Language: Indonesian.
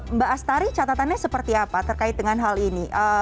mbak astari catatannya seperti apa terkait dengan hal ini